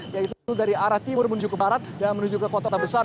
yaitu dari arah timur menuju ke barat dan menuju ke kota besar